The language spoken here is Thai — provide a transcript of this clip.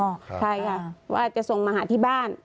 ใช่ค่ะว่าจะส่งมาหาที่บ้าน